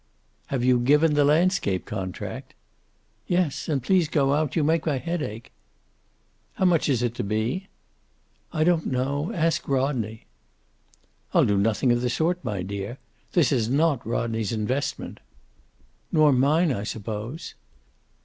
"Have you given the landscape contract?" "Yes. And please go out. You make my head ache." "How much is it to be?" "I don't know. Ask Rodney." "I'll do nothing of the sort, my dear. This is not Rodney's investment." "Nor mine, I suppose!"